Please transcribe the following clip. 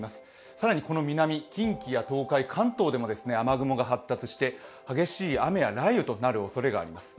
更にこの南、近畿や東海関東でも雨雲が発達して激しい雨や雷雨となるおそれがあります。